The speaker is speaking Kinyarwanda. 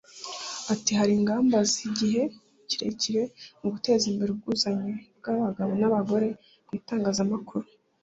Ati “Hari ingamba z’igihe kirekire mu guteza imbere ubwuzuzanye bw’abagabo n’abagore mu itangazamakuru